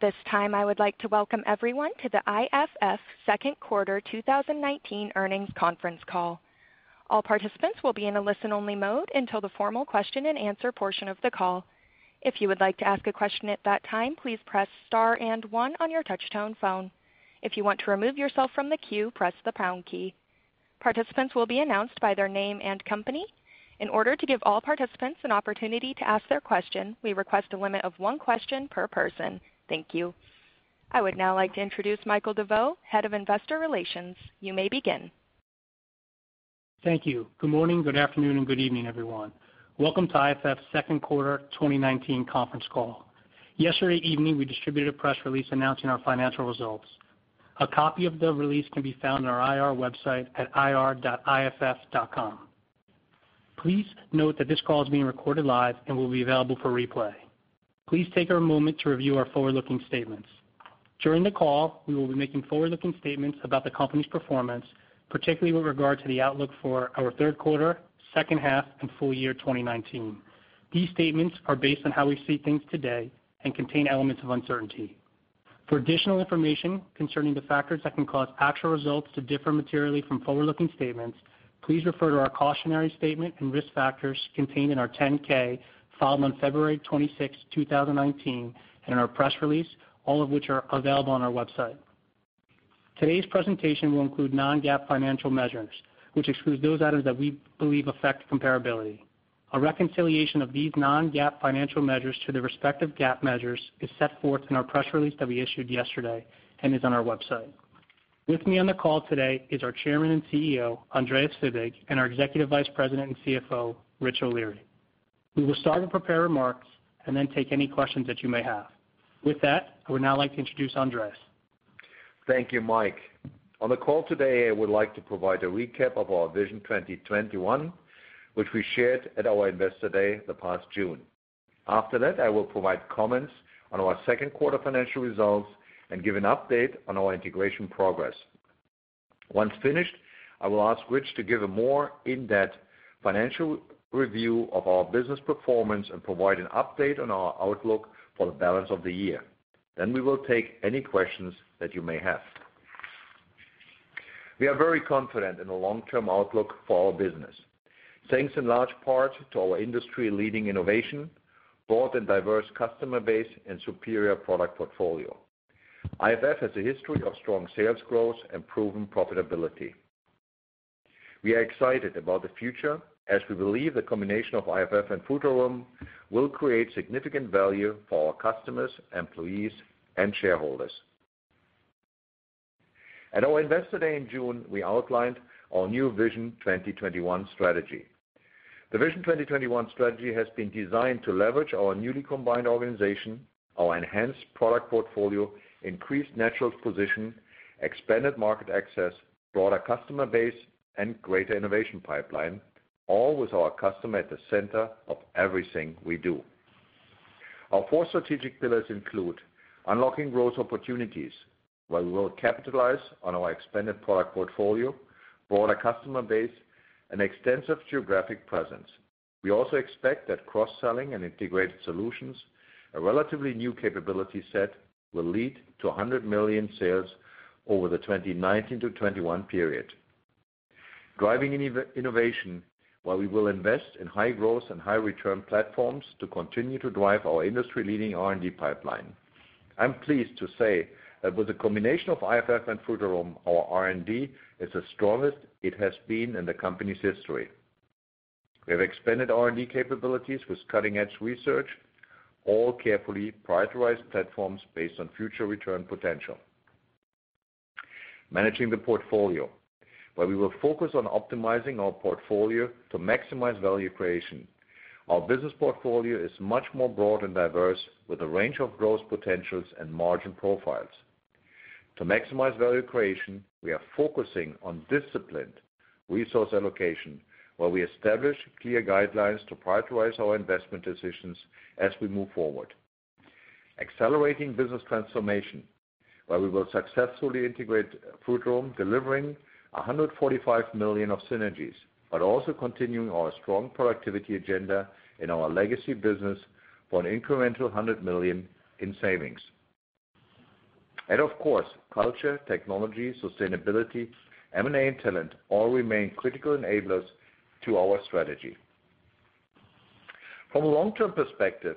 At this time, I would like to welcome everyone to the IFF second quarter 2019 earnings conference call. All participants will be in a listen-only mode until the formal question and answer portion of the call. If you would like to ask a question at that time, please press star and one on your touch-tone phone. If you want to remove yourself from the queue, press the pound key. Participants will be announced by their name and company. In order to give all participants an opportunity to ask their question, we request a limit of one question per person. Thank you. I would now like to introduce Michael DeVeau, Head of Investor Relations. You may begin. Thank you. Good morning, good afternoon, and good evening, everyone. Welcome to IFF's second quarter 2019 conference call. Yesterday evening, we distributed a press release announcing our financial results. A copy of the release can be found on our IR website at ir.iff.com. Please note that this call is being recorded live and will be available for replay. Please take a moment to review our forward-looking statements. During the call, we will be making forward-looking statements about the company's performance, particularly with regard to the outlook for our third quarter, second half, and full year 2019. These statements are based on how we see things today and contain elements of uncertainty. For additional information concerning the factors that can cause actual results to differ materially from forward-looking statements, please refer to our cautionary statement and risk factors contained in our 10-K filed on February 26, 2019, and our press release, all of which are available on our website. Today's presentation will include non-GAAP financial measures, which excludes those items that we believe affect comparability. A reconciliation of these non-GAAP financial measures to their respective GAAP measures is set forth in our press release that we issued yesterday and is on our website. With me on the call today is our Chairman and CEO, Andreas Fibig, and our Executive Vice President and CFO, Rich O'Leary. We will start with prepared remarks and then take any questions that you may have. With that, I would now like to introduce Andreas. Thank you, Mike. On the call today, I would like to provide a recap of our Vision 2021, which we shared at our Investor Day this past June. After that, I will provide comments on our second quarter financial results and give an update on our integration progress. Once finished, I will ask Rich to give a more in-depth financial review of our business performance and provide an update on our outlook for the balance of the year. We will then take any questions that you may have. We are very confident in the long-term outlook for our business, thanks in large part to our industry-leading innovation, broad and diverse customer base, and superior product portfolio. IFF has a history of strong sales growth and proven profitability. We are excited about the future as we believe the combination of IFF and Frutarom will create significant value for our customers, employees, and shareholders. At our Investor Day in June, we outlined our new Vision 2021 strategy. The Vision 2021 strategy has been designed to leverage our newly combined organization, our enhanced product portfolio, increased natural position, expanded market access, broader customer base, and greater innovation pipeline, all with our customer at the center of everything we do. Our four strategic pillars include unlocking growth opportunities, where we will capitalize on our expanded product portfolio, broader customer base, and extensive geographic presence. We also expect that cross-selling and integrated solutions, a relatively new capability set, will lead to $100 million sales over the 2019 to 2021 period. Driving innovation, where we will invest in high-growth and high-return platforms to continue to drive our industry-leading R&D pipeline. I'm pleased to say that with the combination of IFF and Frutarom, our R&D is the strongest it has been in the company's history. We have expanded R&D capabilities with cutting-edge research, all carefully prioritized platforms based on future return potential. Managing the portfolio, where we will focus on optimizing our portfolio to maximize value creation. Our business portfolio is much more broad and diverse with a range of growth potentials and margin profiles. To maximize value creation, we are focusing on disciplined resource allocation, where we establish clear guidelines to prioritize our investment decisions as we move forward. Accelerating business transformation, where we will successfully integrate Frutarom, delivering $145 million of synergies, but also continuing our strong productivity agenda in our legacy business for an incremental $100 million in savings. Of course, culture, technology, sustainability, M&A, and talent all remain critical enablers to our strategy. From a long-term perspective,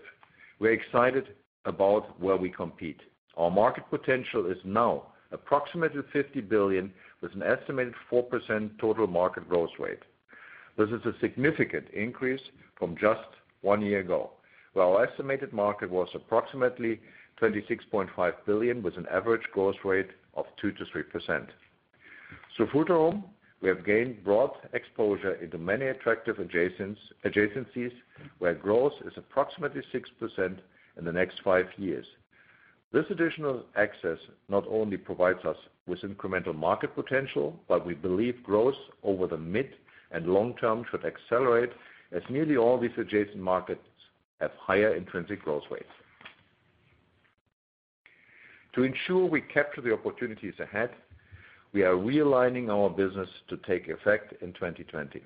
we're excited about where we compete. Our market potential is now approximately $50 billion, with an estimated 4% total market growth rate. This is a significant increase from just one year ago, where our estimated market was approximately $26.5 billion with an average growth rate of 2%-3%. Frutarom, we have gained broad exposure into many attractive adjacencies where growth is approximately 6% in the next five years. This additional access not only provides us with incremental market potential, but we believe growth over the mid and long term should accelerate as nearly all these adjacent markets have higher intrinsic growth rates. To ensure we capture the opportunities ahead, we are realigning our business to take effect in 2020.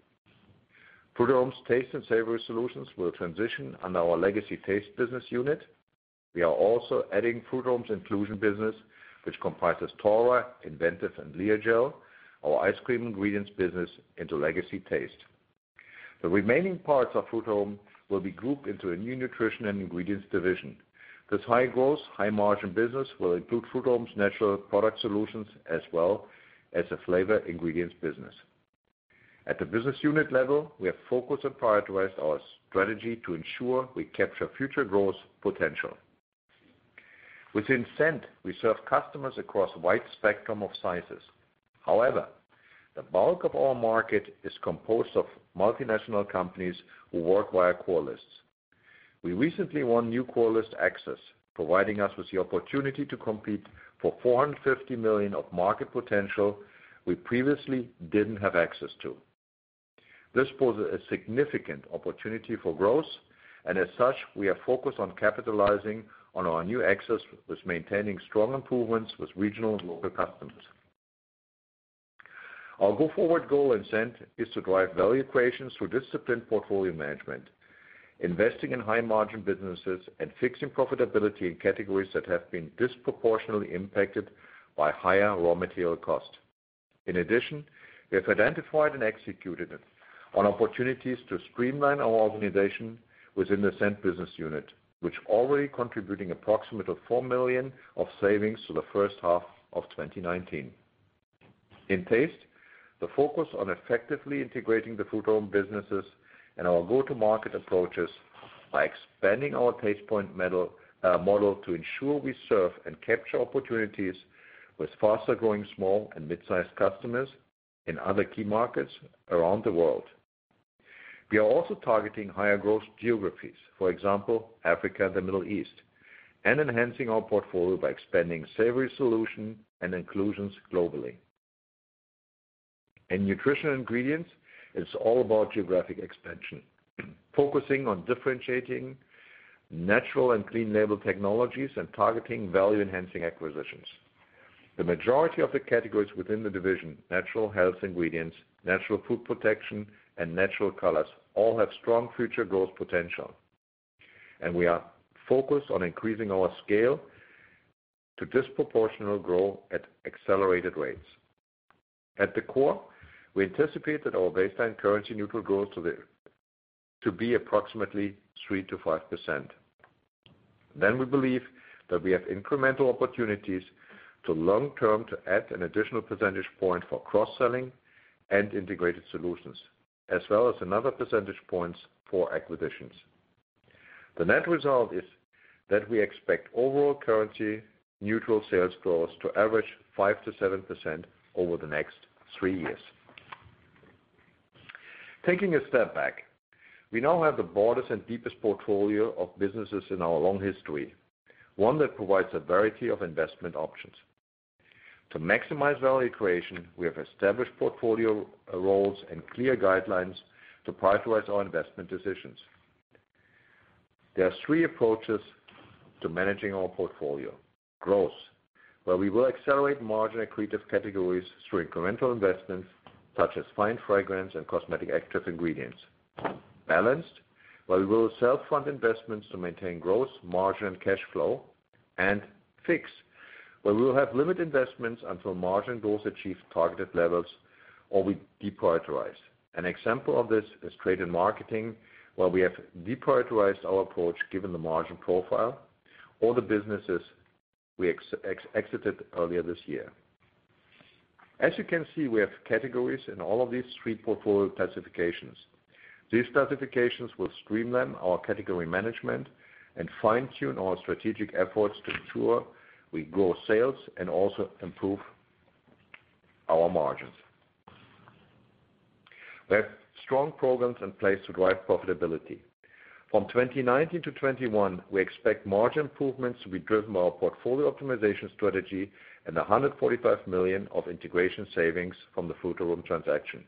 Frutarom's Taste and Savory Solutions will transition under our legacy Taste business unit. We are also adding Frutarom's Inclusion business, which comprises Taura, Inventive, and Leagel, our ice cream ingredients business, into legacy Taste. The remaining parts of Frutarom will be grouped into a new Nutrition and Ingredients division. This high-growth, high-margin business will include Frutarom's natural product solutions, as well as the flavor ingredients business. At the business unit level, we have focused and prioritized our strategy to ensure we capture future growth potential. Within Scent, we serve customers across a wide spectrum of sizes. The bulk of our market is composed of multinational companies who work via call lists. We recently won new call list access, providing us with the opportunity to compete for $450 million of market potential we previously didn't have access to. This poses a significant opportunity for growth. As such, we are focused on capitalizing on our new access with maintaining strong improvements with regional and local customers. Our go-forward goal in Scent is to drive value creation through disciplined portfolio management, investing in high-margin businesses, and fixing profitability in categories that have been disproportionately impacted by higher raw material cost. We have identified and executed on opportunities to streamline our organization within the Scent business unit, which already contributing approximately $4 million of savings to the first half of 2019. The focus on effectively integrating the Frutarom businesses and our go-to-market approaches by expanding our Tastepoint model to ensure we serve and capture opportunities with faster-growing small and mid-sized customers in other key markets around the world. We are also targeting higher-growth geographies, for example, Africa and the Middle East, and enhancing our portfolio by expanding Savory Solution and inclusions globally. In Nutrition and Ingredients, it's all about geographic expansion, focusing on differentiating natural and clean label technologies, and targeting value-enhancing acquisitions. The majority of the categories within the division, natural health ingredients, natural food protection, and natural colors all have strong future growth potential. We are focused on increasing our scale to disproportionate growth at accelerated rates. At the core, we anticipate that our baseline currency neutral growth to be approximately 3%-5%. We believe that we have incremental opportunities to long term to add an additional percentage point for cross-selling and integrated solutions, as well as another percentage points for acquisitions. The net result is that we expect overall currency neutral sales growth to average 5%-7% over the next three years. Taking a step back, we now have the broadest and deepest portfolio of businesses in our long history, one that provides a variety of investment options. To maximize value creation, we have established portfolio roles and clear guidelines to prioritize our investment decisions. There are three approaches to managing our portfolio. Growth, where we will accelerate margin-accretive categories through incremental investments such as fine fragrance and cosmetic active ingredients. Balanced, where we will self-fund investments to maintain growth margin and cash flow. Fixed, where we will have limited investments until margin goals achieve targeted levels, or we deprioritize. An example of this is Trade and Marketing, where we have deprioritized our approach given the margin profile or the businesses we exited earlier this year. As you can see, we have categories in all of these 3 portfolio classifications. These classifications will streamline our category management and fine-tune our strategic efforts to ensure we grow sales and also improve our margins. We have strong programs in place to drive profitability. From 2019-2021, we expect margin improvements to be driven by our portfolio optimization strategy and $145 million of integration savings from the Frutarom transaction.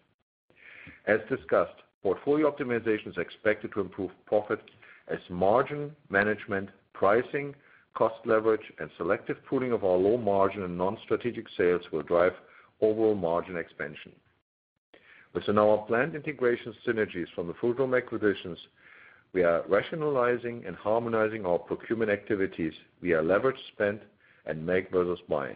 As discussed, portfolio optimization is expected to improve profit as margin management, pricing, cost leverage, and selective pruning of our low-margin and non-strategic sales will drive overall margin expansion. Within our planned integration synergies from the Frutarom acquisitions, we are rationalizing and harmonizing our procurement activities via leverage spend and make versus buy.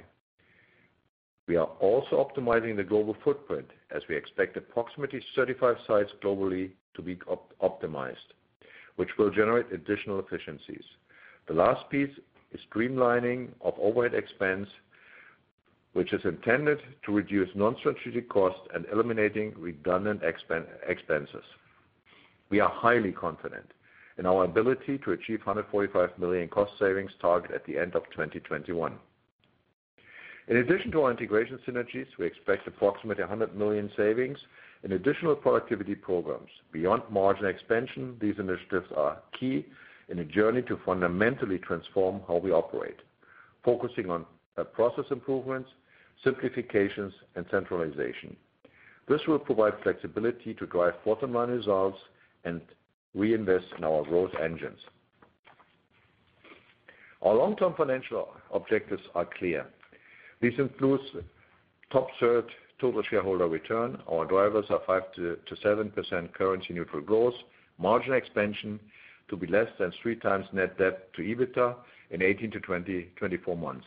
We are also optimizing the global footprint as we expect approximately 35 sites globally to be optimized, which will generate additional efficiencies. The last piece is streamlining of overhead expense, which is intended to reduce non-strategic costs and eliminating redundant expenses. We are highly confident in our ability to achieve $145 million cost savings target at the end of 2021. In addition to our integration synergies, we expect approximately $100 million savings in additional productivity programs. Beyond margin expansion, these initiatives are key in a journey to fundamentally transform how we operate, focusing on process improvements, simplifications, and centralization. This will provide flexibility to drive bottom-line results and reinvest in our growth engines. Our long-term financial objectives are clear. This includes top third total shareholder return. Our drivers are 5%-7% currency-neutral growth, margin expansion to be less than 3 times net debt to EBITDA in 18-24 months,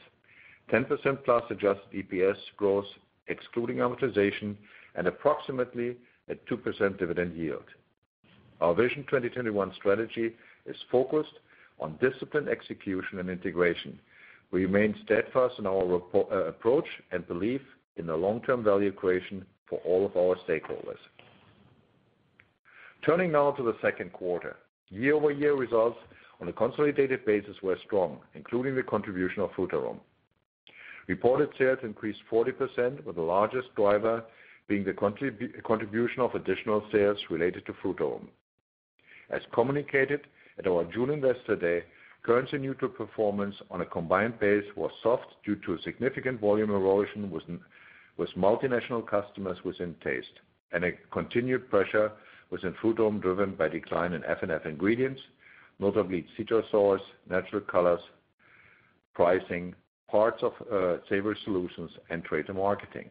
10%+ adjusted EPS growth, excluding amortization, and approximately a 2% dividend yield. Our Vision 2021 strategy is focused on disciplined execution and integration. We remain steadfast in our approach and belief in the long-term value equation for all of our stakeholders. Turning now to the second quarter. Year-over-year results on a consolidated basis were strong, including the contribution of Frutarom. Reported sales increased 40%, with the largest driver being the contribution of additional sales related to Frutarom. As communicated at our June Investor Day, currency-neutral performance on a combined base was soft due to a significant volume erosion with multinational customers within Taste, and a continued pressure within Frutarom, driven by decline in F&F ingredients, notably citrus oils, natural colors, pricing, parts of Savory Solutions, and Trade and Marketing.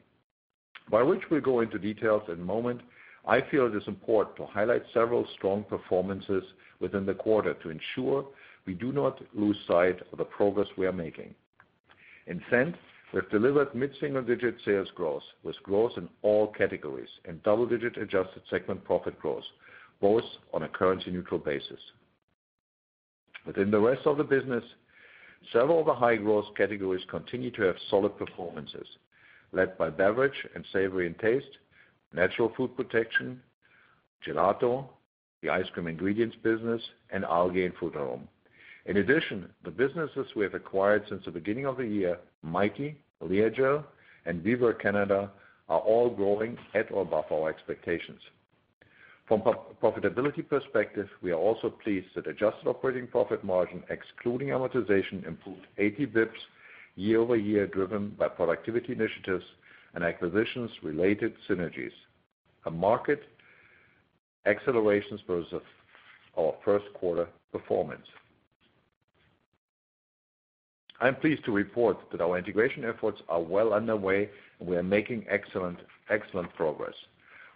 While Rich will go into details in a moment, I feel it is important to highlight several strong performances within the quarter to ensure we do not lose sight of the progress we are making. In Scent, we have delivered mid-single-digit sales growth, with growth in all categories and double-digit adjusted segment profit growth, both on a currency-neutral basis. Within the rest of the business, several of the high-growth categories continue to have solid performances, led by beverage and savory and Taste, Natural Food Protection, Gelato, the ice cream ingredients business, and Algae in Frutarom. In addition, the businesses we have acquired since the beginning of the year, MiKi, Leagel, and Wiberg Canada, are all growing at or above our expectations. From a profitability perspective, we are also pleased that adjusted operating profit margin, excluding amortization, improved 80 basis points year-over-year, driven by productivity initiatives and acquisitions related synergies, market acceleration versus our first quarter performance. I am pleased to report that our integration efforts are well underway, and we are making excellent progress.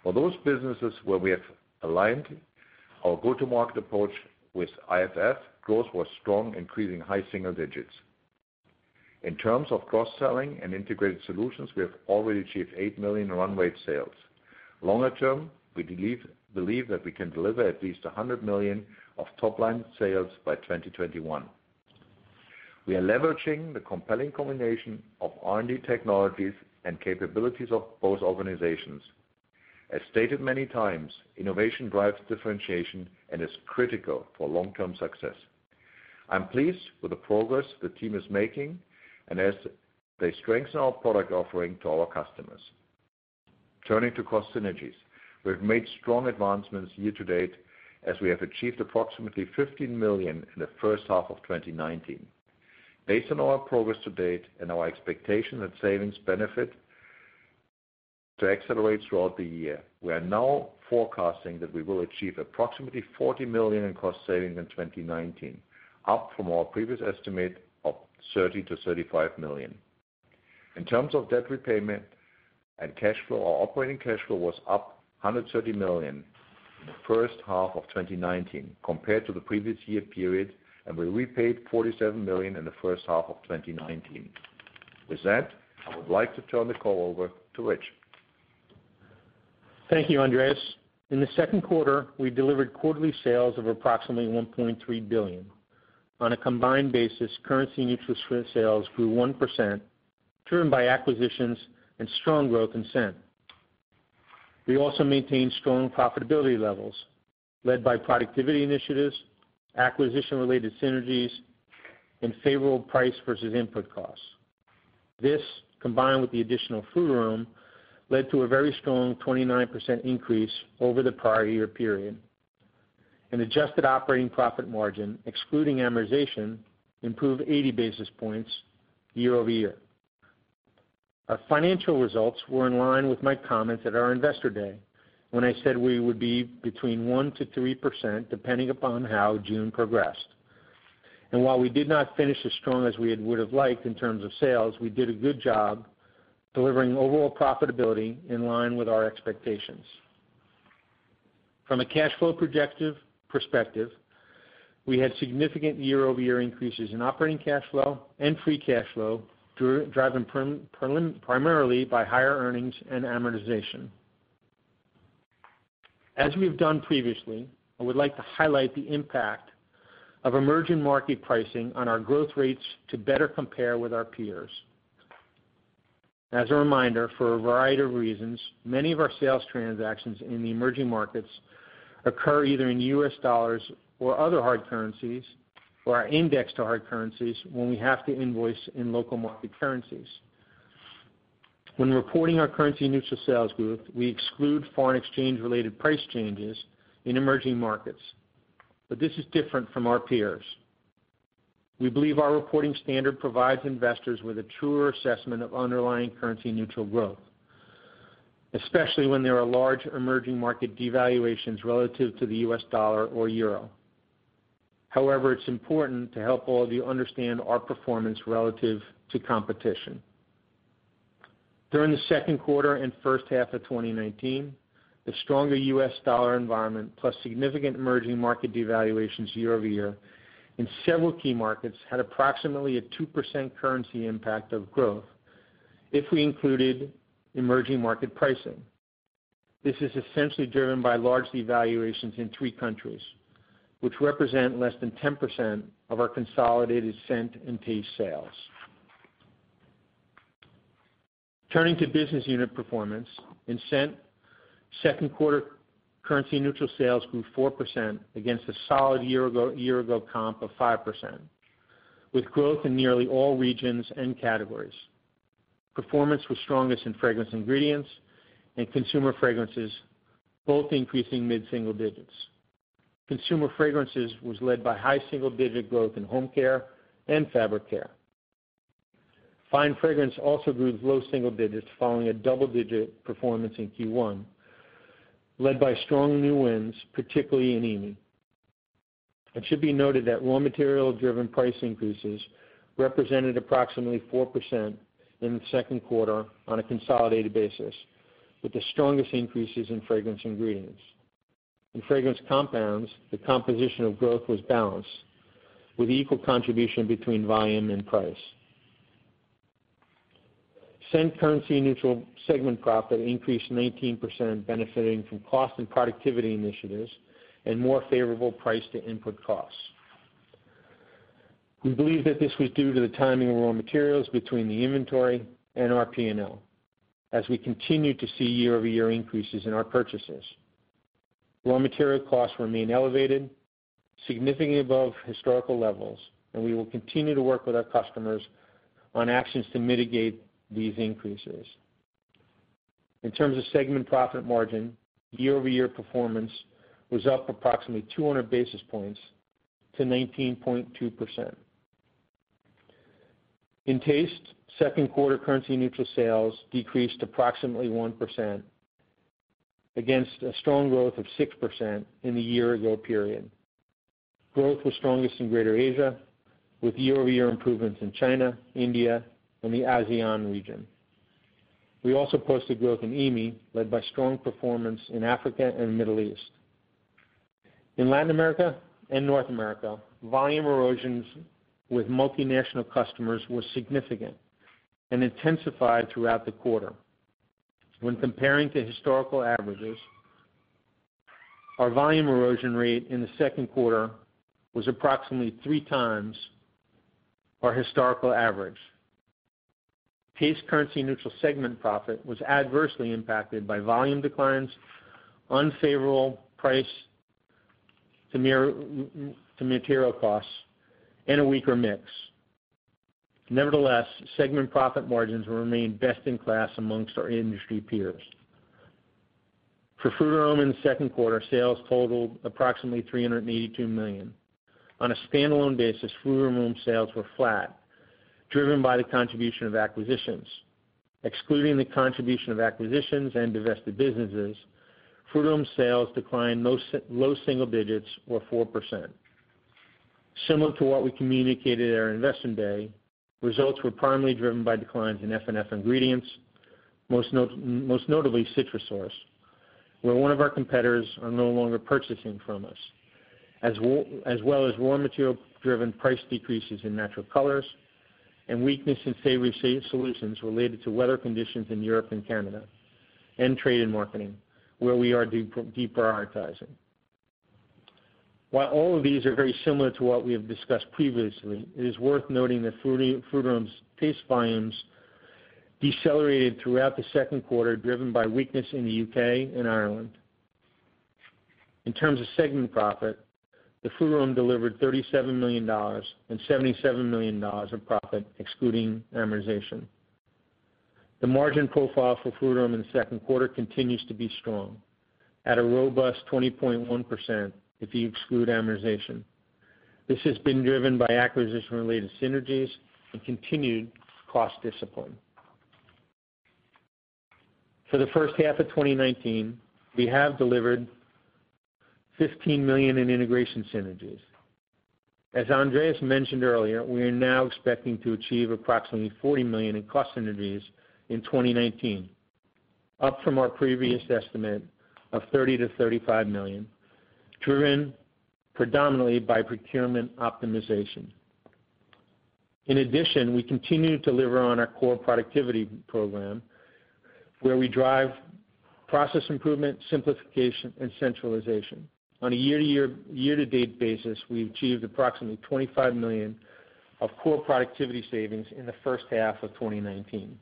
For those businesses where we have aligned our go-to-market approach with IFF, growth was strong, increasing high single digits. In terms of cross-selling and integrated solutions, we have already achieved $8 million in run rate sales. Longer term, we believe that we can deliver at least $100 million of top-line sales by 2021. We are leveraging the compelling combination of R&D technologies and capabilities of both organizations. As stated many times, innovation drives differentiation and is critical for long-term success. I'm pleased with the progress the team is making and as they strengthen our product offering to our customers. Turning to cost synergies. We have made strong advancements year-to-date as we have achieved approximately $15 million in the first half of 2019. Based on our progress to-date and our expectation that savings benefit to accelerate throughout the year, we are now forecasting that we will achieve approximately $40 million in cost savings in 2019, up from our previous estimate of $30 million-$35 million. In terms of debt repayment and cash flow, our operating cash flow was up $130 million in the first half of 2019 compared to the previous year period, and we repaid $47 million in the first half of 2019. With that, I would like to turn the call over to Rich. Thank you, Andreas. In the second quarter, we delivered quarterly sales of approximately $1.3 billion. On a combined basis, currency-neutral sales grew 1%, driven by acquisitions and strong growth in Scent. We also maintained strong profitability levels, led by productivity initiatives, acquisition-related synergies, and favorable price versus input costs. This, combined with the additional Frutarom, led to a very strong 29% increase over the prior year period, and adjusted operating profit margin, excluding amortization, improved 80 basis points year-over-year. Our financial results were in line with my comments at our Investor Day when I said we would be between 1%-3%, depending upon how June progressed. While we did not finish as strong as we would have liked in terms of sales, we did a good job delivering overall profitability in line with our expectations. From a cash flow perspective, we had significant year-over-year increases in operating cash flow and free cash flow, driven primarily by higher earnings and amortization. As we've done previously, I would like to highlight the impact of emerging market pricing on our growth rates to better compare with our peers. As a reminder, for a variety of reasons, many of our sales transactions in the emerging markets occur either in U.S. dollars or other hard currencies or are indexed to hard currencies when we have to invoice in local market currencies. When reporting our currency-neutral sales growth, we exclude foreign exchange-related price changes in emerging markets. This is different from our peers. We believe our reporting standard provides investors with a truer assessment of underlying currency neutral growth, especially when there are large emerging market devaluations relative to the U.S. dollar or euro. However, it's important to help all of you understand our performance relative to competition. During the second quarter and first half of 2019, the stronger U.S. dollar environment plus significant emerging market devaluations year-over-year in several key markets had approximately a 2% currency impact of growth if we included emerging market pricing. This is essentially driven by large devaluations in three countries, which represent less than 10% of our consolidated Scent and Taste sales. Turning to business unit performance. In Scent, second quarter currency neutral sales grew 4% against a solid year ago comp of 5%, with growth in nearly all regions and categories. Performance was strongest in fragrance ingredients and consumer fragrances, both increasing mid-single digits. Consumer fragrances was led by high single-digit growth in home care and fabric care. Fine fragrance also grew low single digits following a double-digit performance in Q1, led by strong new wins, particularly in EAME. It should be noted that raw material driven price increases represented approximately 4% in the second quarter on a consolidated basis, with the strongest increases in fragrance ingredients. In fragrance compounds, the composition of growth was balanced with equal contribution between volume and price. Scent currency neutral segment profit increased 19%, benefiting from cost and productivity initiatives and more favorable price to input costs. We believe that this was due to the timing of raw materials between the inventory and our P&L, as we continue to see year-over-year increases in our purchases. Raw material costs remain elevated, significantly above historical levels, and we will continue to work with our customers on actions to mitigate these increases. In terms of segment profit margin, year-over-year performance was up approximately 200 basis points to 19.2%. In Taste, second quarter currency neutral sales decreased approximately 1% against a strong growth of 6% in the year-ago period. Growth was strongest in Greater Asia, with year-over-year improvements in China, India and the ASEAN region. We also posted growth in EAME, led by strong performance in Africa and the Middle East. In Latin America and North America, volume erosions with multinational customers were significant and intensified throughout the quarter. When comparing to historical averages, our volume erosion rate in the second quarter was approximately three times our historical average. Taste currency neutral segment profit was adversely impacted by volume declines, unfavorable price to material costs, and a weaker mix. Nevertheless, segment profit margins remained best in class amongst our industry peers. For Frutarom in the second quarter, sales totaled approximately $382 million. On a standalone basis, Frutarom sales were flat, driven by the contribution of acquisitions. Excluding the contribution of acquisitions and divested businesses, Frutarom sales declined low single digits or 4%. Similar to what we communicated at our Investor Day, results were primarily driven by declines in F&F ingredients, most notably CitrusSource, where one of our competitors are no longer purchasing from us, as well as raw material driven price decreases in natural colors and weakness in Savory Solutions related to weather conditions in Europe and Canada and Trade and Marketing, where we are deprioritizing. While all of these are very similar to what we have discussed previously, it is worth noting that Frutarom's Taste volumes decelerated throughout the second quarter, driven by weakness in the U.K. and Ireland. In terms of segment profit, the Frutarom delivered $37 million and $77 million of profit excluding amortization. The margin profile for Frutarom in the second quarter continues to be strong at a robust 20.1% if you exclude amortization. This has been driven by acquisition-related synergies and continued cost discipline. For the first half of 2019, we have delivered $15 million in integration synergies. As Andreas mentioned earlier, we are now expecting to achieve approximately $40 million in cost synergies in 2019, up from our previous estimate of $30 million-$35 million, driven predominantly by procurement optimization. In addition, we continue to deliver on our core productivity program, where we drive process improvement, simplification, and centralization. On a year-to-date basis, we achieved approximately $25 million of core productivity savings in the first half of 2019.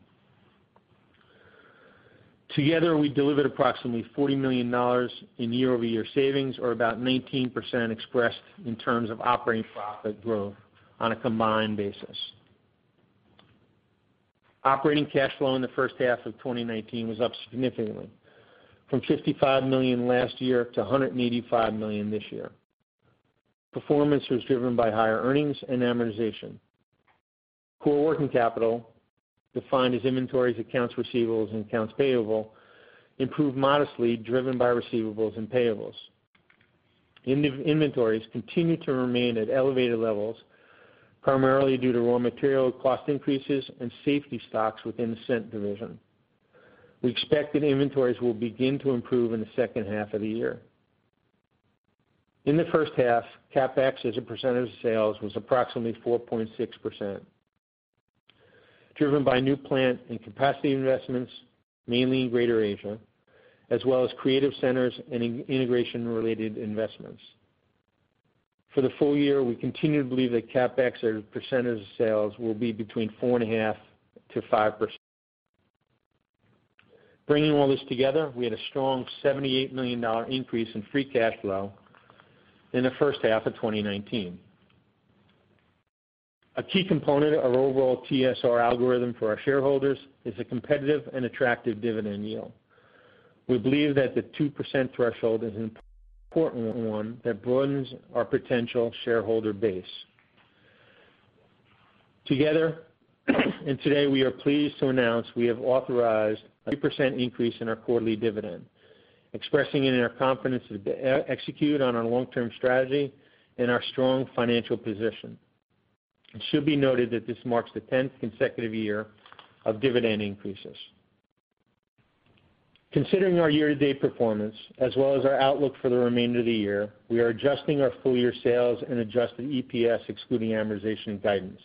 Together, we delivered approximately $40 million in year-over-year savings, or about 19% expressed in terms of operating profit growth on a combined basis. Operating cash flow in the first half of 2019 was up significantly from $55 million last year to $185 million this year. Performance was driven by higher earnings and amortization. Core working capital, defined as inventories, accounts receivables, and accounts payable, improved modestly, driven by receivables and payables. Inventories continue to remain at elevated levels, primarily due to raw material cost increases and safety stocks within the Scent division. We expect that inventories will begin to improve in the second half of the year. In the first half, CapEx as a percentage of sales was approximately 4.6%, driven by new plant and capacity investments, mainly in Greater Asia, as well as creative centers and integration-related investments. For the full year, we continue to believe that CapEx as a percentage of sales will be between 4.5%-5%. Bringing all this together, we had a strong $78 million increase in free cash flow in the first half of 2019. A key component of our overall TSR algorithm for our shareholders is a competitive and attractive dividend yield. We believe that the 2% threshold is an important one that broadens our potential shareholder base. Together, today, we are pleased to announce we have authorized a 3% increase in our quarterly dividend, expressing it in our confidence to execute on our long-term strategy and our strong financial position. It should be noted that this marks the 10th consecutive year of dividend increases. Considering our year-to-date performance, as well as our outlook for the remainder of the year, we are adjusting our full-year sales and adjusted EPS excluding amortization and guidance.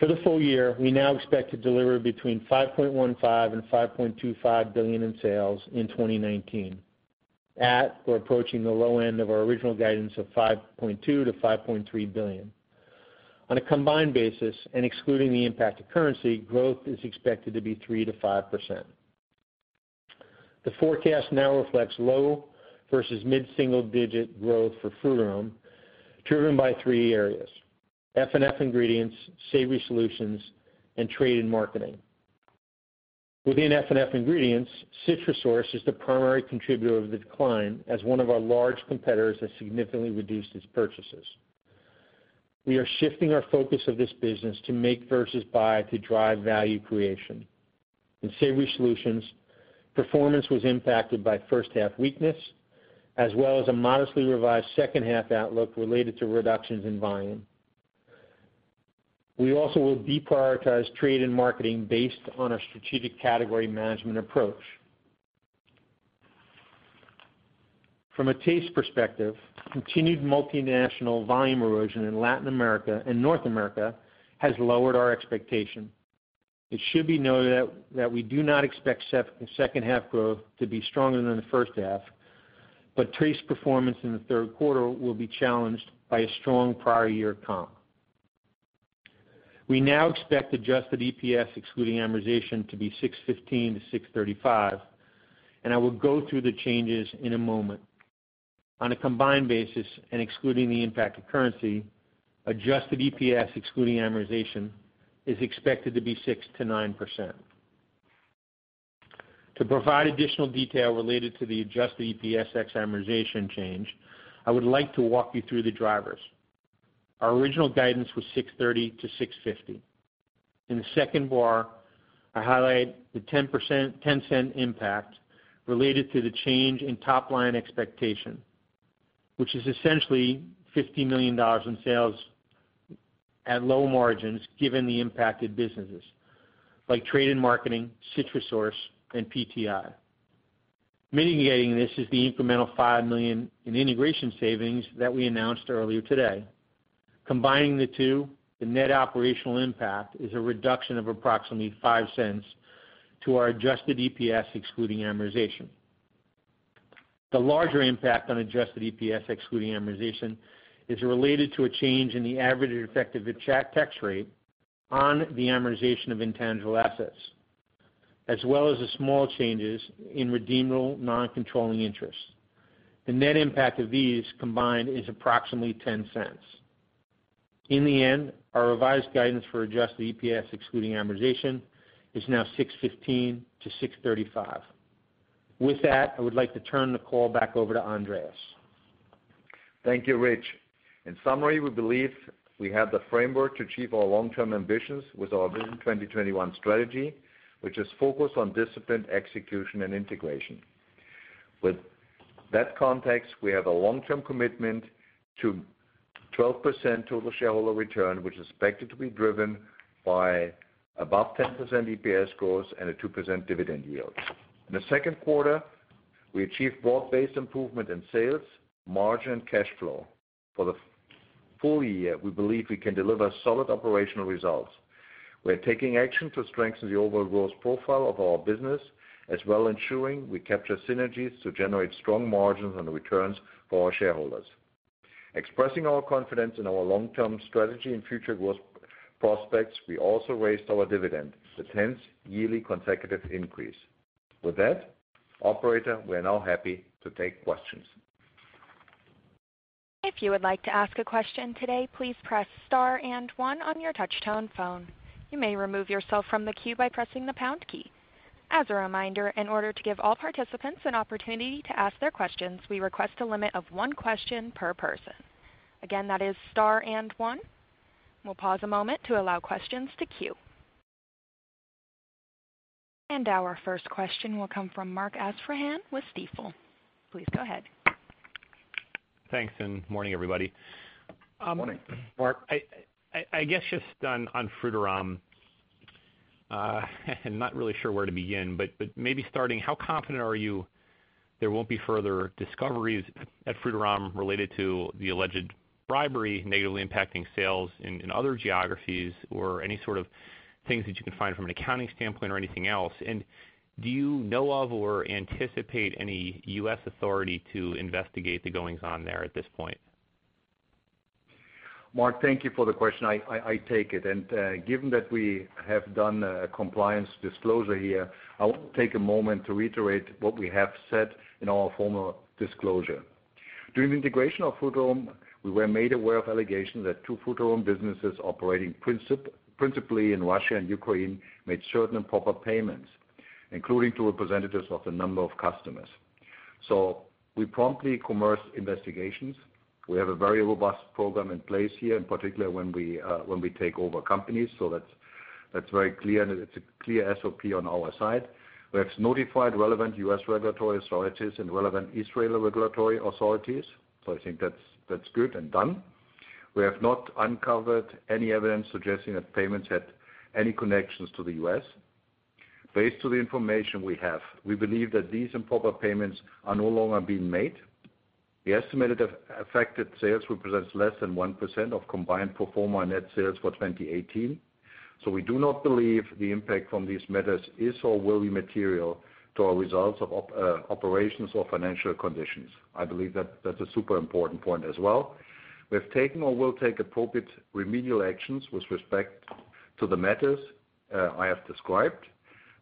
For the full year, we now expect to deliver between $5.15 billion-$5.25 billion in sales in 2019, at or approaching the low end of our original guidance of $5.2 billion-$5.3 billion. On a combined basis and excluding the impact of currency, growth is expected to be 3%-5%. The forecast now reflects low versus mid-single-digit growth for Frutarom, driven by three areas: F&F Ingredients, Savory Solutions, and Trade and Marketing. Within F&F Ingredients, CitrusSource is the primary contributor of the decline as one of our large competitors has significantly reduced its purchases. We are shifting our focus of this business to make versus buy to drive value creation. In Savory Solutions, performance was impacted by first-half weakness, as well as a modestly revised second-half outlook related to reductions in volume. We also will deprioritize trade and marketing based on our strategic category management approach. From a Taste perspective, continued multinational volume erosion in Latin America and North America has lowered our expectation. It should be noted that we do not expect second-half growth to be stronger than the first half, but trace performance in the third quarter will be challenged by a strong prior year comp. We now expect adjusted EPS excluding amortization to be $6.15-$6.35. I will go through the changes in a moment. On a combined basis, excluding the impact of currency, adjusted EPS excluding amortization is expected to be 6%-9%. To provide additional detail related to the adjusted EPS ex amortization change, I would like to walk you through the drivers. Our original guidance was $6.30 to $6.50. In the second bar, I highlight the $0.10 impact related to the change in top-line expectation, which is essentially $50 million in sales at low margins given the impacted businesses, like Trade and Marketing, CitrusSource, and PTI. Mitigating this is the incremental $5 million in integration savings that we announced earlier today. Combining the two, the net operational impact is a reduction of approximately $0.05 to our adjusted EPS excluding amortization. The larger impact on adjusted EPS excluding amortization is related to a change in the average effective tax rate on the amortization of intangible assets, as well as the small changes in redeemable non-controlling interests. The net impact of these combined is approximately $0.10. In the end, our revised guidance for adjusted EPS excluding amortization is now $6.15-$6.35. With that, I would like to turn the call back over to Andreas. Thank you, Rich. In summary, we believe we have the framework to achieve our long-term ambitions with our Vision 2021 strategy, which is focused on disciplined execution and integration. With that context, we have a long-term commitment to 12% total shareholder return, which is expected to be driven by above 10% EPS growth and a 2% dividend yield. In the second quarter, we achieved broad-based improvement in sales, margin, and cash flow. For the full year, we believe we can deliver solid operational results. We are taking action to strengthen the overall growth profile of our business, as well ensuring we capture synergies to generate strong margins and returns for our shareholders. Expressing our confidence in our long-term strategy and future growth prospects, we also raised our dividend, the 10th yearly consecutive increase. With that, operator, we are now happy to take questions. If you would like to ask a question today, please press star and 1 on your touch-tone phone. You may remove yourself from the queue by pressing the pound key. As a reminder, in order to give all participants an opportunity to ask their questions, we request a limit of 1 question per person. Again, that is star and 1. We'll pause a moment to allow questions to queue. Our first question will come from Mark Astrachan with Stifel. Please go ahead. Thanks. Morning, everybody. Morning. Mark, I guess just on Frutarom. I'm not really sure where to begin, but maybe starting, how confident are you there won't be further discoveries at Frutarom related to the alleged bribery negatively impacting sales in other geographies or any sort of things that you can find from an accounting standpoint or anything else? Do you know of or anticipate any U.S. authority to investigate the goings on there at this point? Mark, thank you for the question. I take it, and given that we have done a compliance disclosure here, I want to take a moment to reiterate what we have said in our formal disclosure. During the integration of Frutarom, we were made aware of allegations that two Frutarom businesses operating principally in Russia and Ukraine made certain improper payments, including to representatives of a number of customers. We promptly commenced investigations. We have a very robust program in place here, in particular when we take over companies. That's very clear, and it's a clear SOP on our side. We have notified relevant U.S. regulatory authorities and relevant Israeli regulatory authorities. I think that's good and done. We have not uncovered any evidence suggesting that payments had any connections to the U.S. Based on the information we have, we believe that these improper payments are no longer being made. The estimated affected sales represents less than 1% of combined pro forma net sales for 2018. We do not believe the impact from these matters is or will be material to our results of operations or financial conditions. I believe that's a super important point as well. We have taken or will take appropriate remedial actions with respect to the matters I have described,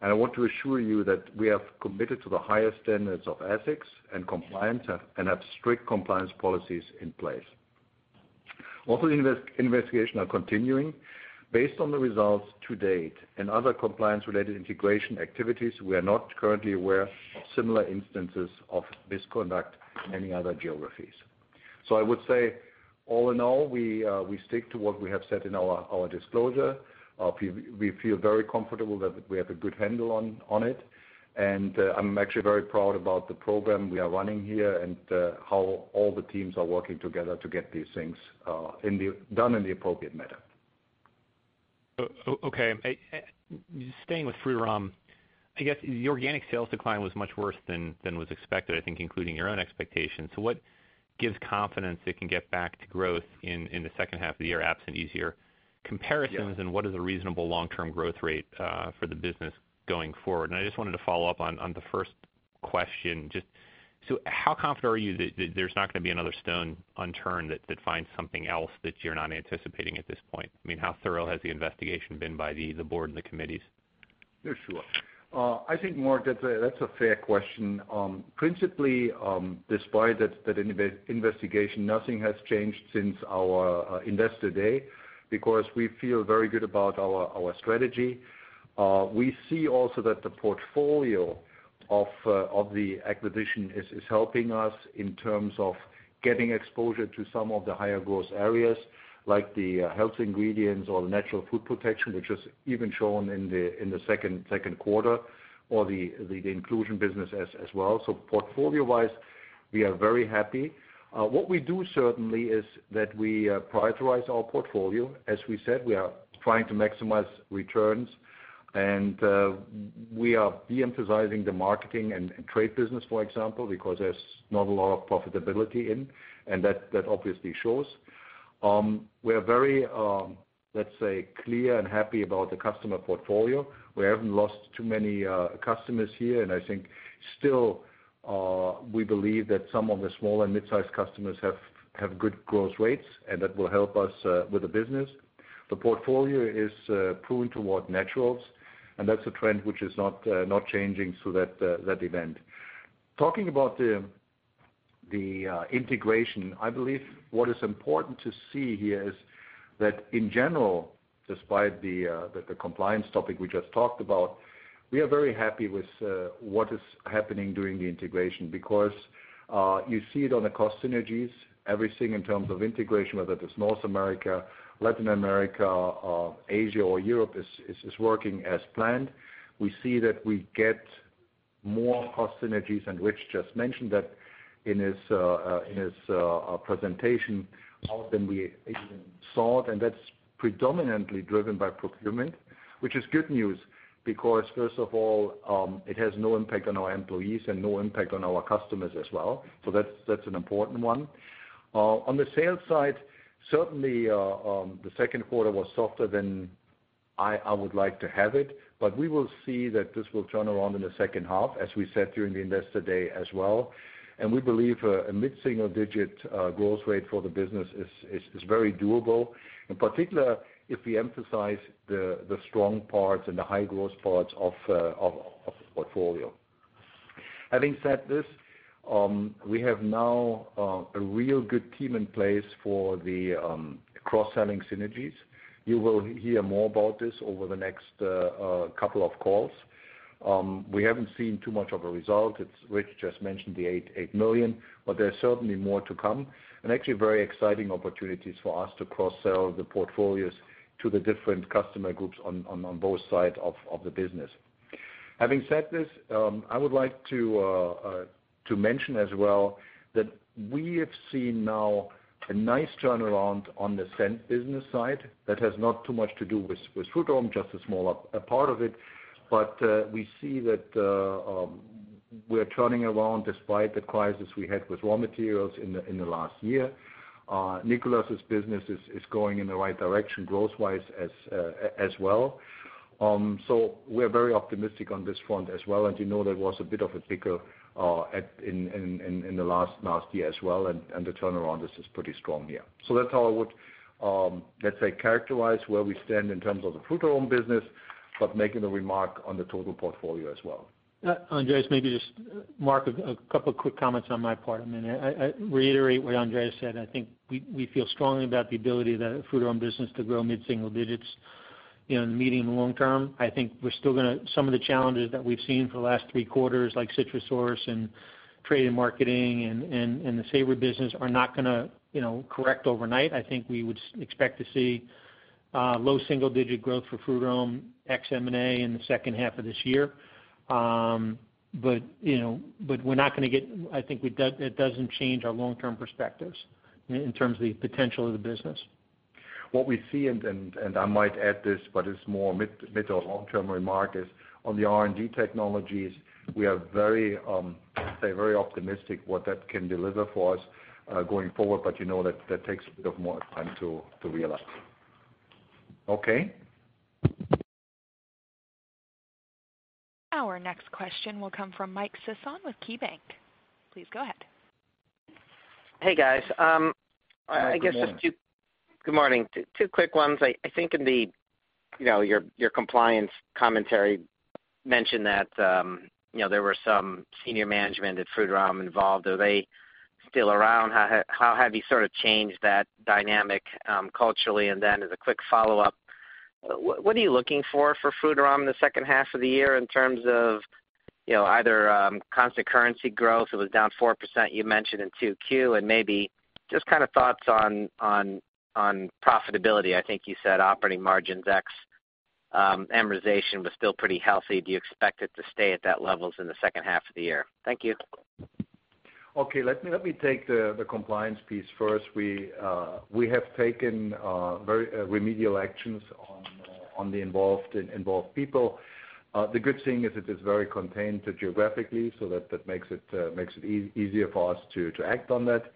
and I want to assure you that we are committed to the highest standards of ethics and compliance and have strict compliance policies in place. Although the investigations are continuing, based on the results to date and other compliance-related integration activities, we are not currently aware of similar instances of misconduct in any other geographies. I would say, all in all, we stick to what we have said in our disclosure. We feel very comfortable that we have a good handle on it. I'm actually very proud about the program we are running here and how all the teams are working together to get these things done in the appropriate manner. Okay. Staying with Frutarom, I guess the organic sales decline was much worse than was expected, I think including your own expectations. What gives confidence it can get back to growth in the second half of the year, absent easier comparisons? Yeah What is a reasonable long-term growth rate for the business going forward? I just wanted to follow up on the first question. How confident are you that there's not going to be another stone unturned that finds something else that you're not anticipating at this point? How thorough has the investigation been by the board and the committees? Yeah, sure. I think, Mark, that's a fair question. Principally, despite that investigation, nothing has changed since our Investor Day, because we feel very good about our strategy. We see also that the portfolio of the acquisition is helping us in terms of getting exposure to some of the higher-growth areas, like the health ingredients or natural food protection, which is even shown in the second quarter, or the inclusion business as well. Portfolio-wise, we are very happy. What we do certainly is that we prioritize our portfolio. As we said, we are trying to maximize returns, and we are de-emphasizing the marketing and trade business, for example, because there's not a lot of profitability in, and that obviously shows. We are very, let's say, clear and happy about the customer portfolio. We haven't lost too many customers here, and I think still we believe that some of the small and mid-size customers have good growth rates, and that will help us with the business. The portfolio is proving toward naturals, and that's a trend which is not changing, so that event. Talking about the integration, I believe what is important to see here is that in general, despite the compliance topic we just talked about, we are very happy with what is happening during the integration because you see it on the cost synergies. Everything in terms of integration, whether that's North America, Latin America, Asia, or Europe, is working as planned. We see that we get more cost synergies, and Rich just mentioned that in his presentation, more than we even thought, and that's predominantly driven by procurement, which is good news because first of all, it has no impact on our employees and no impact on our customers as well. That's an important one. On the sales side, certainly, the second quarter was softer than I would like to have it, but we will see that this will turn around in the second half, as we said during the Investor Day as well. We believe a mid-single-digit growth rate for the business is very doable, in particular if we emphasize the strong parts and the high-growth parts of the portfolio. Having said this, we have now a real good team in place for the cross-selling synergies. You will hear more about this over the next couple of calls. We haven't seen too much of a result. Rich just mentioned the $8 million, but there's certainly more to come, and actually very exciting opportunities for us to cross-sell the portfolios to the different customer groups on both sides of the business. Having said this, I would like to mention as well that we have seen now a nice turnaround on the Scent business side that has not too much to do with Frutarom, just a small part of it. We see that we're turning around despite the crisis we had with raw materials in the last year. Nicolas' business is going in the right direction growth-wise as well. We're very optimistic on this front as well. You know, there was a bit of a hiccup in the last year as well, and the turnaround is pretty strong here. That's how I would, let's say, characterize where we stand in terms of the Frutarom business, but making the remark on the total portfolio as well. Andreas, maybe just Mark a couple of quick comments on my part a minute. I reiterate what Andreas said. I think we feel strongly about the ability of the Frutarom business to grow mid-single digits in the medium long term. I think some of the challenges that we've seen for the last three quarters, like CitrusSource and Trade and Marketing and the Savory Solutions, are not going to correct overnight. I think we would expect to see low single-digit growth for Frutarom ex M&A in the second half of this year. I think it doesn't change our long-term perspectives in terms of the potential of the business. What we see, and I might add this, but it's more mid to long-term remark, is on the R&D technologies, we are very optimistic what that can deliver for us, going forward. You know that takes a bit of more time to realize. Okay. Our next question will come from Michael Sison with KeyBank. Please go ahead. Hey, guys. Good morning. Good morning. Two quick ones. I think in your compliance commentary, you mentioned that there were some senior management at Frutarom involved. Are they still around? How have you sort of changed that dynamic culturally? As a quick follow-up, what are you looking for Frutarom in the second half of the year in terms of either constant currency growth? It was down 4%, you mentioned in 2Q. Maybe just thoughts on profitability. I think you said operating margins ex amortization was still pretty healthy. Do you expect it to stay at that levels in the second half of the year? Thank you. Okay. Let me take the compliance piece first. We have taken very remedial actions on the involved people. The good thing is it is very contained geographically, so that makes it easier for us to act on that.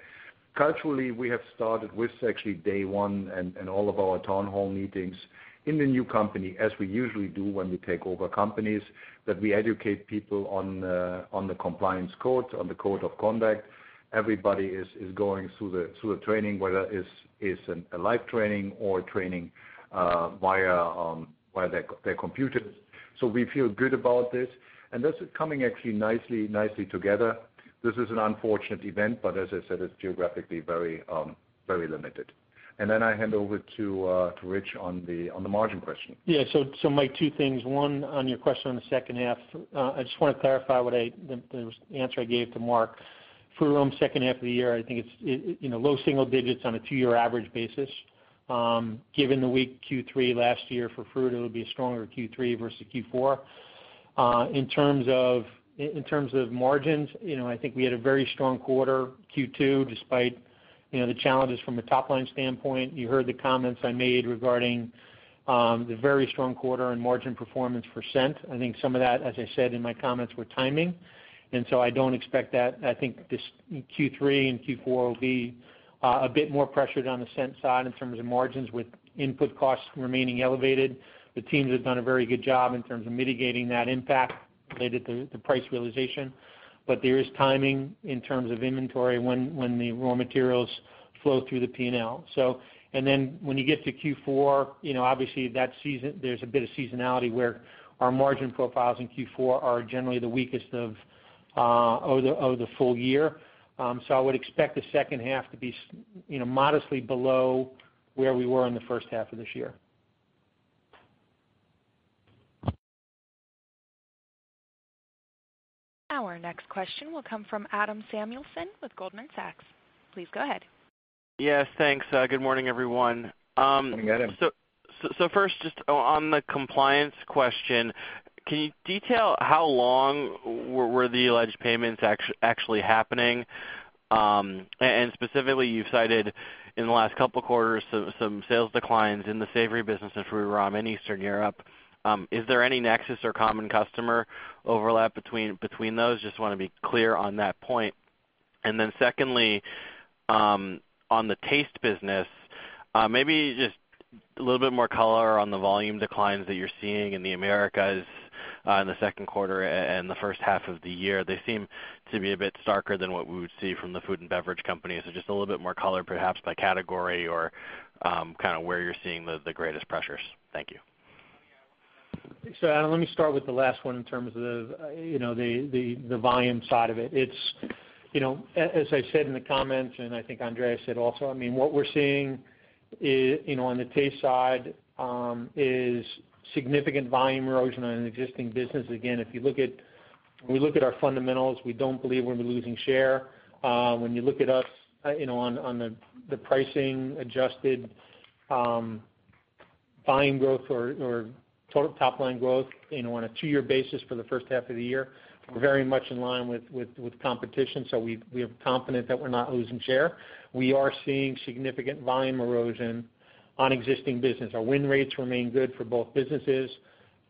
Culturally, we have started with actually day one and all of our town hall meetings in the new company, as we usually do when we take over companies, that we educate people on the compliance code, on the code of conduct. Everybody is going through a training, whether it's a live training or training via their computers. We feel good about this, and this is coming actually nicely together. This is an unfortunate event, but as I said, it's geographically very limited. I hand over to Rich on the margin question. Yeah. Mike, two things. One, on your question on the second half, I just want to clarify the answer I gave to Mark. Frutarom second half of the year, I think it's low single digits on a two-year average basis. Given the weak Q3 last year for Fruit, it'll be a stronger Q3 versus Q4. In terms of margins, I think we had a very strong quarter Q2 despite the challenges from a top-line standpoint. You heard the comments I made regarding the very strong quarter and margin performance for Scent. I think some of that, as I said in my comments, were timing. I don't expect that. I think this Q3 and Q4 will be a bit more pressured on the Scent side in terms of margins with input costs remaining elevated. The teams have done a very good job in terms of mitigating that impact related to price realization. There is timing in terms of inventory when the raw materials flow through the P&L. When you get to Q4, obviously, there's a bit of seasonality where our margin profiles in Q4 are generally the weakest of the full year. I would expect the second half to be modestly below where we were in the first half of this year. Our next question will come from Adam Samuelson with Goldman Sachs. Please go ahead. Yes, thanks. Good morning, everyone. Good morning, Adam. Just on the compliance question, can you detail how long were the alleged payments actually happening? Specifically, you've cited in the last couple of quarters some sales declines in the savory business of Frutarom in Eastern Europe. Is there any nexus or common customer overlap between those? Just want to be clear on that point. Secondly, on the Taste business, maybe just a little bit more color on the volume declines that you're seeing in the Americas in the second quarter and the first half of the year. They seem to be a bit starker than what we would see from the food and beverage companies. Just a little bit more color, perhaps by category or where you're seeing the greatest pressures. Thank you. Adam, let me start with the last one in terms of the volume side of it. As I said in the comments, and I think Andreas said also, what we're seeing on the Taste side is significant volume erosion on an existing business. Again, if we look at our fundamentals, we don't believe we're losing share. When you look at us on the pricing adjusted volume growth or total top line growth on a two-year basis for the first half of the year, we're very much in line with competition. We are confident that we're not losing share. We are seeing significant volume erosion on existing business. Our win rates remain good for both businesses,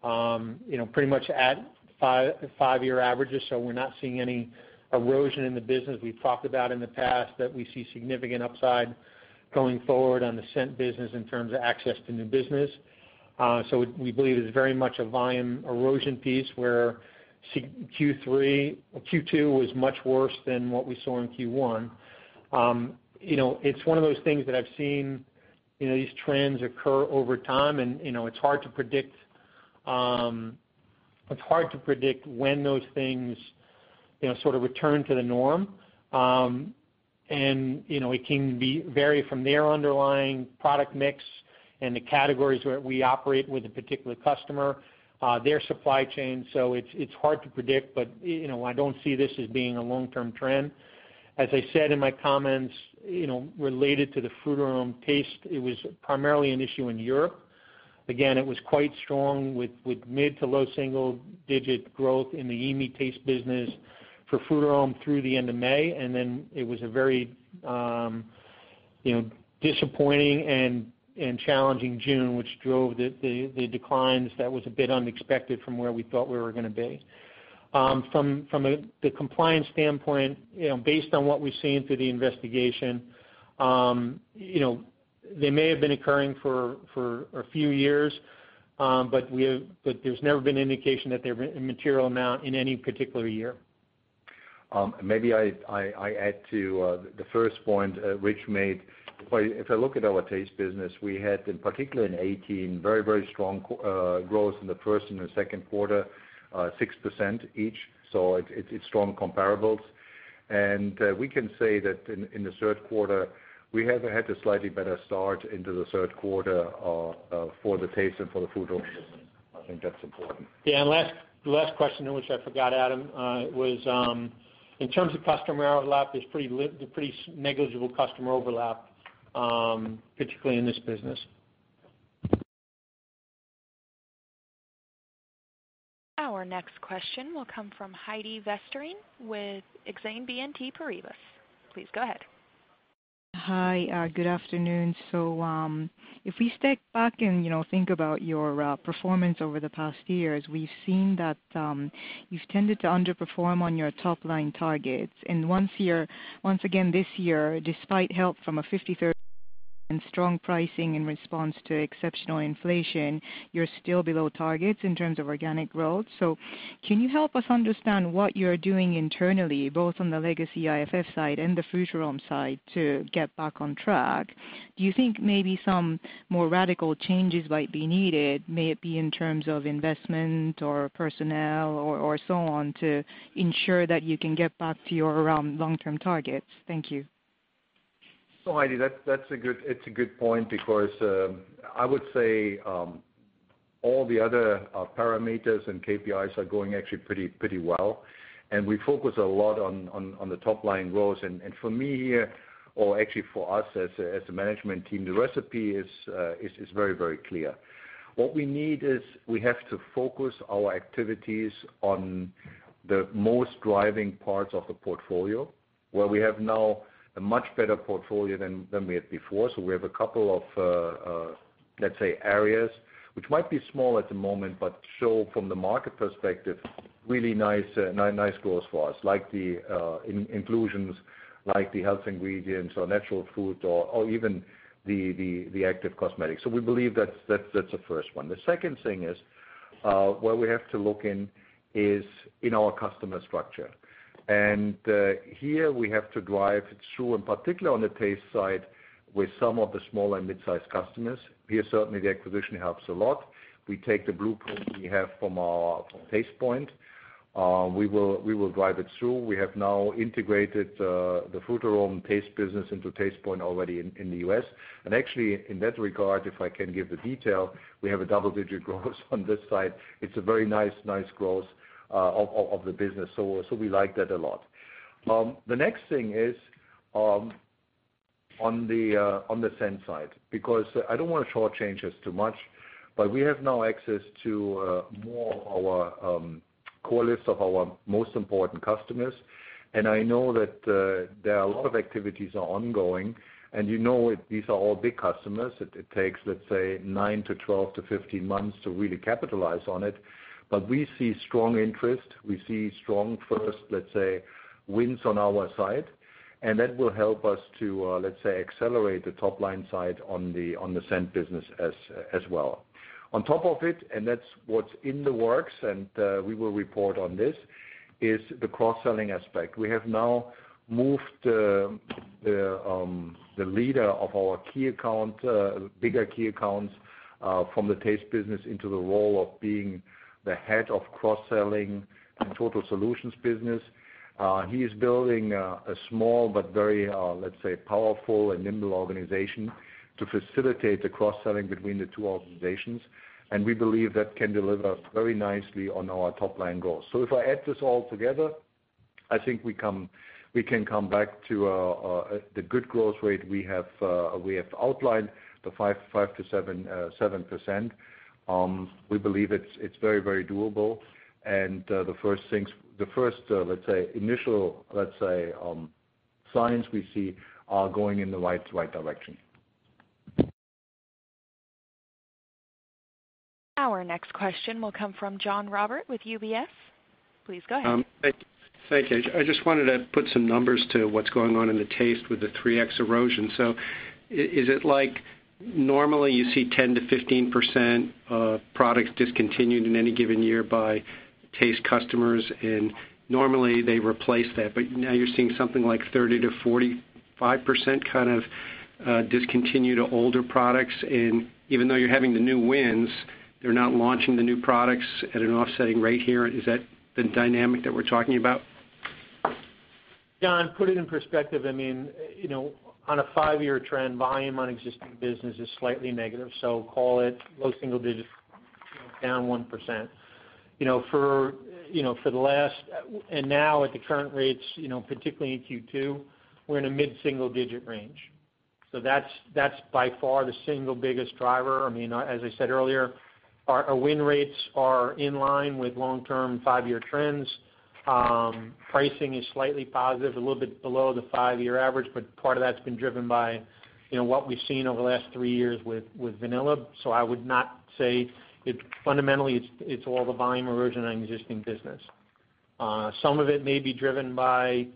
pretty much at five-year averages, we're not seeing any erosion in the business. We've talked about in the past that we see significant upside going forward on the Scent business in terms of access to new business. We believe it's very much a volume erosion piece where Q2 was much worse than what we saw in Q1. It's one of those things that I've seen these trends occur over time and it's hard to predict when those things sort of return to the norm. It can vary from their underlying product mix and the categories where we operate with a particular customer, their supply chain, so it's hard to predict, but I don't see this as being a long-term trend. As I said in my comments, related to the Frutarom Taste, it was primarily an issue in Europe. Again, it was quite strong with mid to low single-digit growth in the EMEA Taste business for Frutarom through the end of May. It was a very disappointing and challenging June, which drove the declines that was a bit unexpected from where we thought we were going to be. From the compliance standpoint, based on what we've seen through the investigation, they may have been occurring for a few years, but there's never been indication that they're a material amount in any particular year. Maybe I add to the first point Rich made. If I look at our Taste business, we had, in particular in 2018, very strong growth in the first and the second quarter, 6% each. It's strong comparables. We can say that in the third quarter, we have had a slightly better start into the third quarter for the Taste and for the Frutarom business. I think that's important. Yeah, the last question in which I forgot, Adam, was in terms of customer overlap, there's pretty negligible customer overlap, particularly in this business. Our next question will come from Heidi Vesterinen with Exane BNP Paribas. Please go ahead. Hi, good afternoon. If we step back and think about your performance over the past years, we've seen that you've tended to underperform on your top-line targets. Once again this year, despite help from a 53 and strong pricing in response to exceptional inflation, you're still below targets in terms of organic growth. Can you help us understand what you're doing internally, both on the legacy IFF side and the Frutarom side to get back on track? Do you think maybe some more radical changes might be needed, may it be in terms of investment or personnel or so on, to ensure that you can get back to your long-term targets? Thank you. Heidi, it's a good point because I would say all the other parameters and KPIs are going actually pretty well. We focus a lot on the top line growth. For me here, or actually for us as a management team, the recipe is very clear. What we need is we have to focus our activities on the most driving parts of the portfolio, where we have now a much better portfolio than we had before. We have a couple of, let's say, areas which might be small at the moment, but show from the market perspective really nice growth for us, like the inclusions, like the health ingredients or natural fruit or even the active cosmetics. We believe that's the first one. The second thing is, where we have to look in is in our customer structure. Here we have to drive through, in particular on the Taste side, with some of the small and mid-size customers. Here certainly the acquisition helps a lot. We take the blueprint we have from our Tastepoint. We will drive it through. We have now integrated the Frutarom taste business into Tastepoint already in the U.S. Actually, in that regard, if I can give the detail, we have a double-digit growth on this side. It's a very nice growth of the business. We like that a lot. The next thing is on the Scent side, because I don't want to short-change us too much, but we have now access to more of our core list of our most important customers. I know that there are a lot of activities are ongoing, and you know these are all big customers. It takes, let's say, nine to 12 to 15 months to really capitalize on it. We see strong interest. We see strong first wins on our side. That will help us to, let's say, accelerate the top-line side on the Scent business as well. On top of it, that's what's in the works, and we will report on this, is the cross-selling aspect. We have now moved the leader of our bigger key accounts from the Taste business into the role of being the head of cross-selling and total solutions business. He is building a small but very, let's say, powerful and nimble organization to facilitate the cross-selling between the two organizations, we believe that can deliver very nicely on our top-line goals. If I add this all together, I think we can come back to the good growth rate we have outlined, the 5%-7%. We believe it's very doable. The first, let's say, initial signs we see are going in the right direction. Our next question will come from John Roberts with UBS. Please go ahead. Thank you. I just wanted to put some numbers to what's going on in the Taste with the 3x erosion. Is it like, normally you see 10%-15% of products discontinued in any given year by Taste customers, normally they replace that. Now you're seeing something like 30%-45% kind of discontinued or older products. Even though you're having the new wins, they're not launching the new products at an offsetting rate here. Is that the dynamic that we're talking about? John, put it in perspective. On a five-year trend, volume on existing business is slightly negative, so call it low single digits, down 1%. Now at the current rates, particularly in Q2, we're in a mid-single-digit range. That's by far the single biggest driver. As I said earlier, our win rates are in line with long-term five-year trends. Pricing is slightly positive, a little bit below the five-year average, but part of that's been driven by what we've seen over the last three years with vanilla. I would not say it fundamentally, it's all the volume erosion on existing business. Some of it may be driven by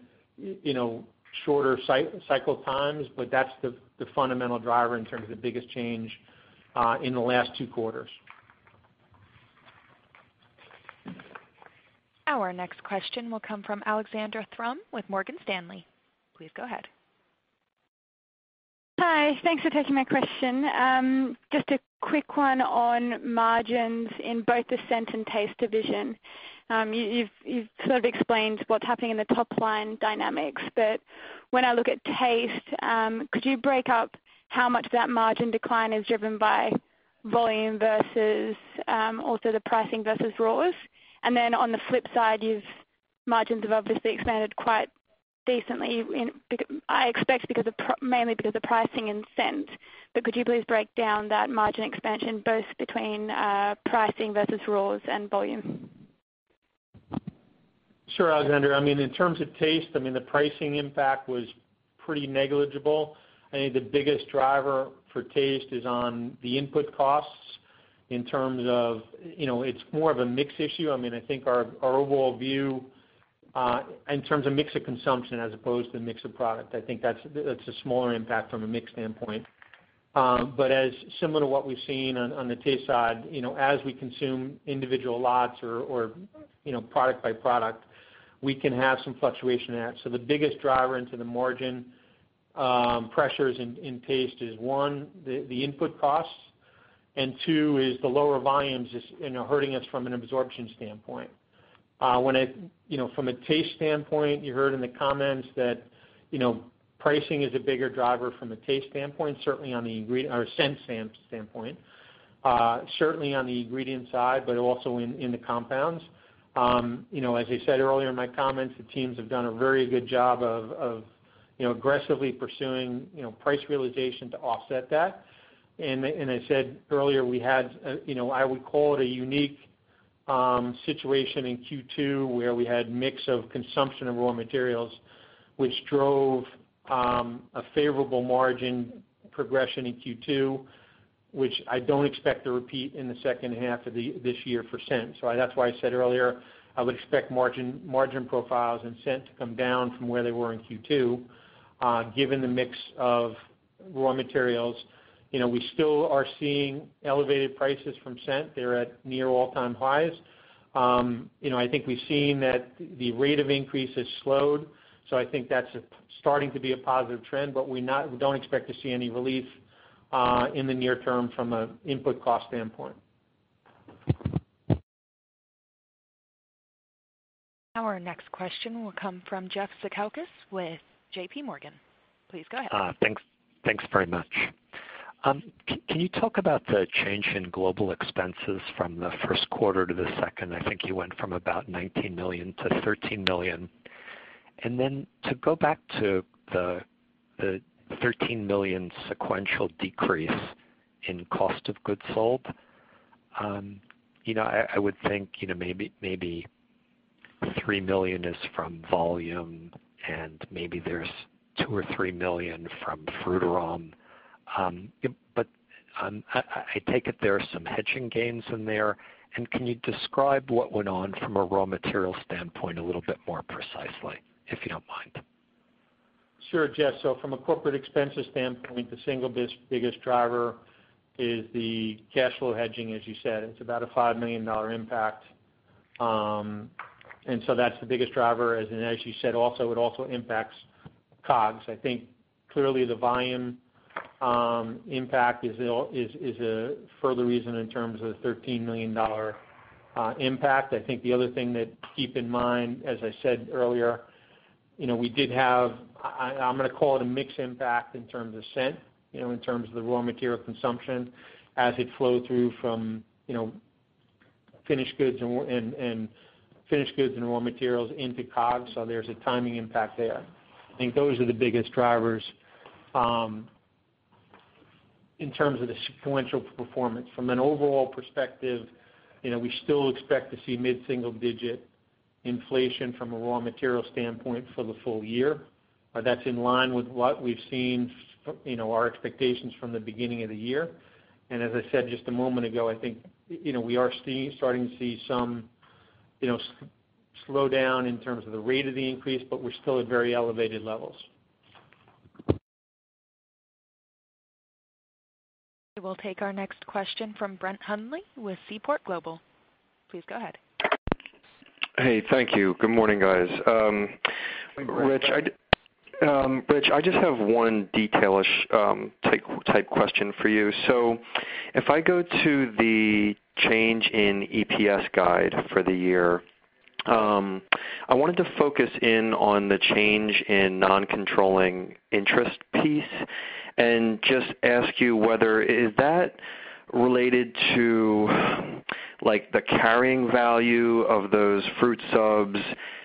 shorter cycle times, but that's the fundamental driver in terms of the biggest change in the last two quarters. Our next question will come from Alexandra Thrum with Morgan Stanley. Please go ahead. Hi. Thanks for taking my question. Just a quick one on margins in both the Scent and Taste division. You've sort of explained what's happening in the top-line dynamics, when I look at Taste, could you break up how much of that margin decline is driven by volume versus also the pricing versus raws? Then on the flip side, your margins have obviously expanded quite decently, I expect mainly because of pricing in Scent. Could you please break down that margin expansion both between pricing versus raws and volume? Sure, Alexandra. In terms of Taste, the pricing impact was pretty negligible. I think the biggest driver for Taste is on the input costs in terms of, it's more of a mix issue. I think our overall view in terms of mix of consumption as opposed to mix of product, I think that's a smaller impact from a mix standpoint. As similar to what we've seen on the Taste side, as we consume individual lots or product by product, we can have some fluctuation in that. The biggest driver into the margin pressures in Taste is one, the input costs, and two is the lower volumes is hurting us from an absorption standpoint. From a Taste standpoint, you heard in the comments that pricing is a bigger driver from a Taste standpoint, or Scent standpoint. Certainly on the ingredient side, also in the compounds. As I said earlier in my comments, the teams have done a very good job of aggressively pursuing price realization to offset that. I said earlier, I would call it a unique situation in Q2 where we had mix of consumption of raw materials, which drove a favorable margin progression in Q2, which I don't expect to repeat in the second half of this year for Scent. That's why I said earlier, I would expect margin profiles in Scent to come down from where they were in Q2, given the mix of raw materials. We still are seeing elevated prices from Scent. They're at near all-time highs. I think we've seen that the rate of increase has slowed. I think that's starting to be a positive trend, we don't expect to see any relief in the near term from an input cost standpoint. Our next question will come from Jeff Zekauskas with JPMorgan. Please go ahead. Thanks very much. Can you talk about the change in global expenses from the first quarter to the second? I think you went from about $19 million to $13 million. To go back to the $13 million sequential decrease in cost of goods sold. I would think maybe $3 million is from volume and maybe there's $2 or $3 million from Frutarom. I take it there are some hedging gains in there. Can you describe what went on from a raw material standpoint a little bit more precisely, if you don't mind? Sure, Jeff. From a corporate expenses standpoint, the single biggest driver is the cash flow hedging, as you said. It's about a $5 million impact. That's the biggest driver. As you said, also it also impacts COGS. I think clearly the volume impact is a further reason in terms of the $13 million impact. I think the other thing that keep in mind, as I said earlier, we did have, I'm going to call it a mix impact in terms of Scent, in terms of the raw material consumption as it flowed through from finished goods and raw materials into COGS. There's a timing impact there. I think those are the biggest drivers in terms of the sequential performance. From an overall perspective, we still expect to see mid-single-digit inflation from a raw material standpoint for the full year. That's in line with what we've seen, our expectations from the beginning of the year. As I said just a moment ago, I think we are starting to see some slowdown in terms of the rate of the increase, but we're still at very elevated levels. We'll take our next question from Brett Hundley with Seaport Global. Please go ahead. Hey, thank you. Good morning, guys. Rich, I just have one detail-ish type question for you. If I go to the change in EPS guide for the year, I wanted to focus in on the change in non-controlling interest piece and just ask you whether, is that related to the carrying value of those fruit subs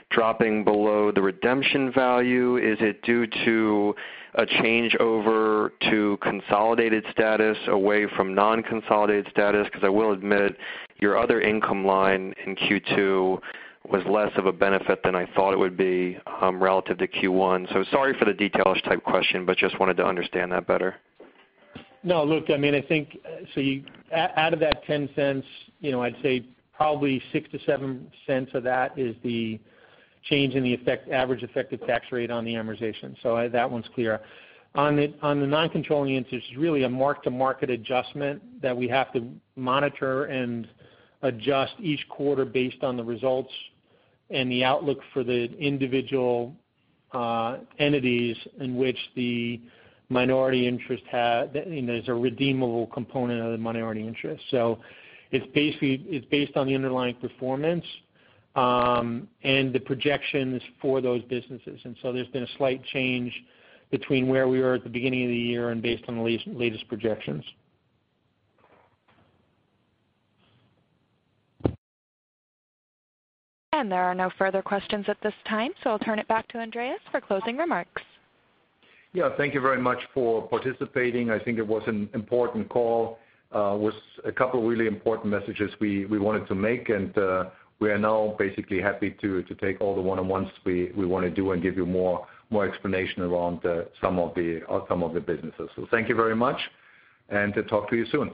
dropping below the redemption value? Is it due to a changeover to consolidated status away from non-consolidated status? I will admit, your other income line in Q2 was less of a benefit than I thought it would be relative to Q1. Sorry for the detail-ish type question, but just wanted to understand that better. No, look, out of that $0.10, I'd say probably $0.06-$0.07 of that is the change in the average effective tax rate on the amortization. That one's clear. On the non-controlling interest, it's really a mark-to-market adjustment that we have to monitor and adjust each quarter based on the results and the outlook for the individual entities in which there's a redeemable component of the minority interest. It's based on the underlying performance, and the projections for those businesses. There's been a slight change between where we were at the beginning of the year and based on the latest projections. There are no further questions at this time, so I'll turn it back to Andreas for closing remarks. Yeah. Thank you very much for participating. I think it was an important call, with a couple of really important messages we wanted to make. We are now basically happy to take all the one-on-ones we want to do and give you more explanation around some of the businesses. Thank you very much, and talk to you soon.